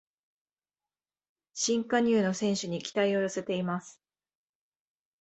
新加入の選手に期待を寄せています